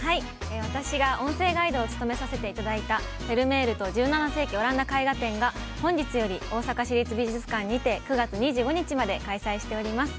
◆私が音声ガイドを務めた「フェルメールと１７世紀オランダ絵画展」が本日より、大阪市立美術館にて９月２５日まで開催しています。